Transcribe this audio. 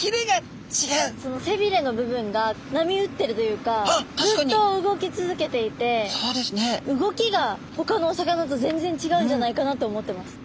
その背びれの部分が波打ってるというかずっと動き続けていて動きがほかのお魚と全然違うんじゃないかなと思ってます。